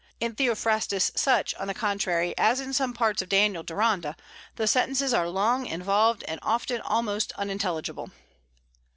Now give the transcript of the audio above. In "Theophrastus Such," on the contrary, as in some parts of "Daniel Deronda," the sentences are long, involved, and often almost unintelligible.